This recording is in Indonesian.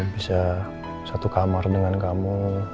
bisa satu kamar dengan kamu